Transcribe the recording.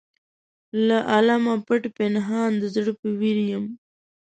له عالمه پټ پنهان د زړه په ویر یم.